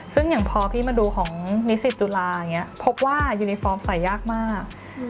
ซึ่งอย่างพอพี่มาดูของนิสิตจุฬาอย่างนี้พบว่ายูนิฟอร์มใส่ยากมาก